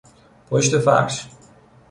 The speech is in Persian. پشت فرش